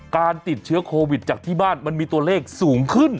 การติดเชื้อโควิดจากที่บ้านมันมีตัวเลขสูงขึ้น